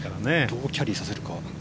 どうキャリーさせるか。